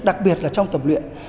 đặc biệt là trong tập luyện